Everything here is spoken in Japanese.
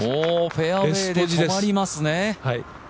フェアウェーで止まりますね。